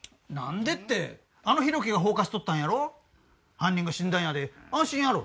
犯人が死んだんやで安心やろ。